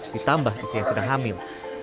ditambah usia yang sudah hamil